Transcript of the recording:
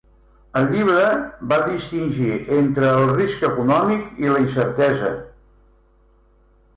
Al llibre, va distingir entre el risc econòmic i la incertesa.